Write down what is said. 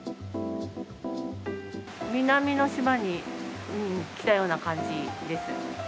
南の島に来たような感じです。